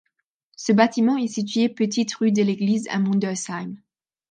Ce bâtiment est situé petite rue de l'Église à Mundolsheim.